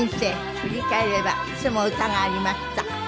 振り返ればいつも歌がありました。